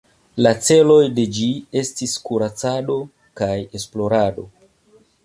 La celoj de ĝi estis kuracado kaj esplorado.